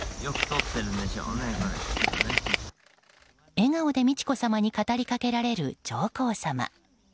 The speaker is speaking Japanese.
笑顔で美智子さまに語りかけられる上皇さま。